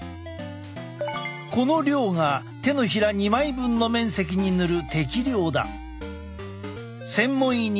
この量が手のひら２枚分の面積に塗る適量だ。